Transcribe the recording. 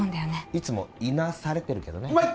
いつもいなされてるけどねうまい！